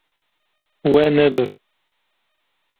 We nebir.